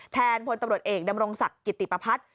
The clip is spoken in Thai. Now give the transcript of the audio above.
แทนพลตำรวจเอกดำรงศักดิ์กิติปภัทธ์